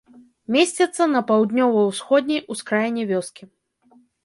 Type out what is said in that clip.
Месціцца на паўднёва-усходняй ускраіне вёскі.